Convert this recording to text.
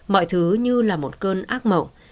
mọi thứ như là một cơn ác mộng